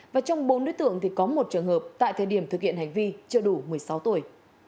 và trong bốn đối tượng thì có một trường hợp tại thời điểm thực hiện hành vi chưa đủ một mươi sáu tuổi